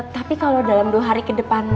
tapi kalau dalam dua hari kedepan